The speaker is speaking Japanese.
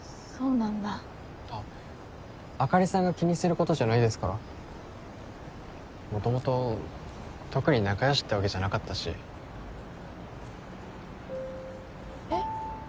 なんだあっあかりさんが気にすることじゃないですから元々特に仲よしってわけじゃなかったしえっ？